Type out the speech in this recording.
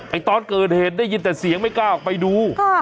ตอนเกิดเหตุได้ยินแต่เสียงไม่กล้าออกไปดู